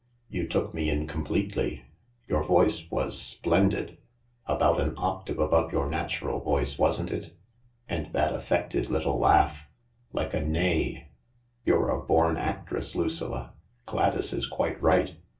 You took me in completely. Your voice was splendid — about an octave above your natural voice, wasn't it ? And that affected little laugh — like a neigh I You're a born actress, Lucilla — Gladys is quite right.